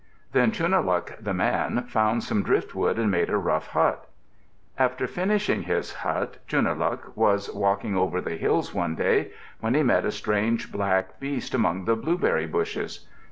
Then Chunuhluk, the man, found some driftwood and made a rough hut. After finishing his hut, Chunuhluk was walking over the hills one day when he met a strange black beast among the blueberry bushes.